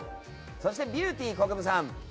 そして、ビューティーこくぶさん